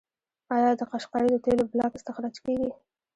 آیا د قشقري د تیلو بلاک استخراج کیږي؟